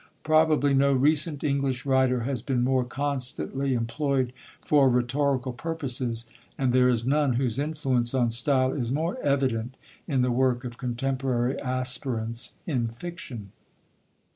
Probably no recent English writer has been more constantly employed for rhetorical purposes, and there is none whose influence on style is more evident in the work of contemporary aspirants in fiction.